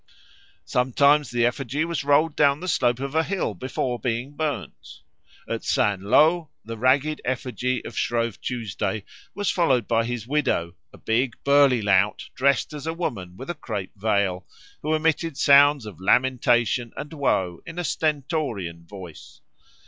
Sometimes the effigy was rolled down the slope of a hill before being burnt. At Saint Lô the ragged effigy of Shrove Tuesday was followed by his widow, a big burly lout dressed as a woman with a crape veil, who emitted sounds of lamentation and woe in a stentorian voice.